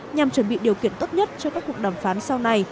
nhằm chuẩn bị điều kiện tốt nhất cho các cuộc đàm phán sau này